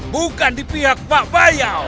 bukan di pihak pak bayal